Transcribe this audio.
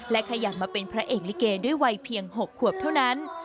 ขยับมาเป็นพระเอกลิเกด้วยวัยเพียง๖ขวบเท่านั้น